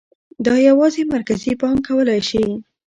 دا یوازې مرکزي بانک کولای شي.